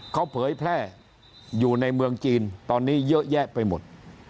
เขาเผยแพร่อยู่ในเมืองจีนตอนนี้เยอะแยะไปหมด